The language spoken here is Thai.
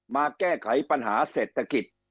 มาแก้ไขปัญหาเศรษฐกิจ